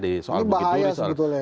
ini bahaya sebetulnya